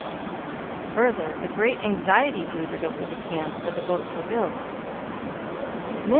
Further, a great anxiety brooded over the camp where the boats were built.